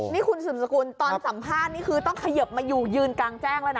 นี่คุณสืบสกุลตอนสัมภาษณ์นี่คือต้องเขยิบมาอยู่ยืนกลางแจ้งแล้วนะ